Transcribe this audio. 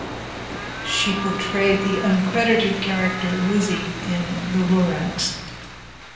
She portrayed the uncredited character Lizzie in "The Lorax".